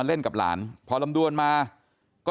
ใช่ค่ะถ่ายรูปส่งให้พี่ดูไหม